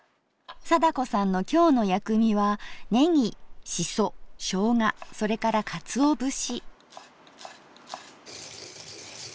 貞子さんの今日の薬味はねぎしそしょうがそれからかつお節。